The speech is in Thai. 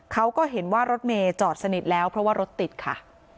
เขาก็เห็นว่ารถเมย์จอดสนิทแล้วเพราะว่ารถติดค่ะ